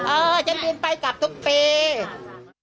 เออฉันบินไปกลับทุกปี